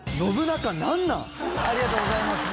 ありがとうございます。